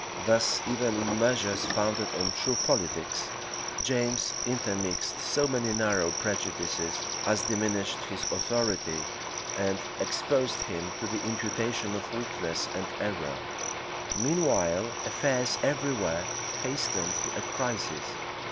Thus, even in measures founded on true politics, James intermixed so many narrow prejudices, as diminished his authority, and exposed him to the imputation of weakness and of error. {1620.} Meanwhile affairs every where hastened to a crisis.